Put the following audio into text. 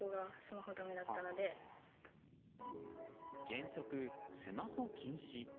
原則スマホ禁止。